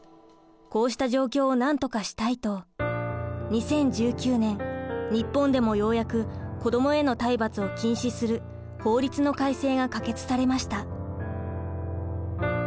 こうした状況をなんとかしたいと２０１９年日本でもようやく子どもへの体罰を禁止する法律の改正が可決されました。